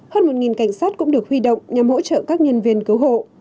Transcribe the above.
hơn một cảnh sát cũng được huy động nhằm hỗ trợ các nhân viên cứu hộ